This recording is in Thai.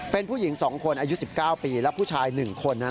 เป็นผู้หญิง๒คนอายุ๑๙ปีและผู้ชาย๑คน